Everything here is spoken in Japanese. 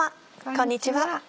こんにちは。